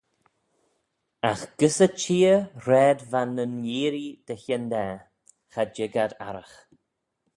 Agh gys y cheer raad va nyn yeearree dy hyndaa, cha jig ad arragh.